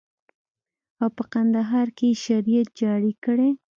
او په کندهار کښې يې شريعت جاري کړى.